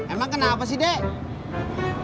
emang kenapa sih dek